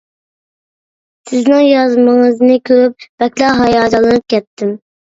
سىزنىڭ يازمىڭىزنى كۆرۈپ بەكلا ھاياجانلىنىپ كەتتىم.